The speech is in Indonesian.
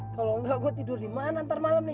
kalau enggak gua tidur dimana ntar malem nih